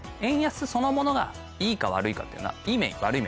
そのものがいいか悪いかっていうのは。